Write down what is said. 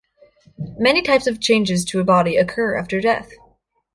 Many types of changes to a body occur after death.